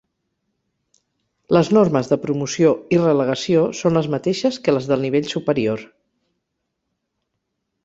Les normes de promoció i relegació són les mateixes que les del nivell superior.